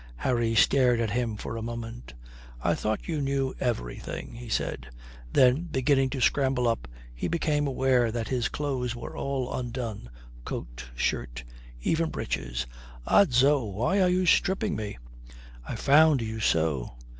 Harry stared at him for a moment. "I thought you knew everything," he said. Then, beginning to scramble up, he became aware that his clothes were all undone coat, shirt, even breeches. "Odso, why were you stripping me?" "I found you so.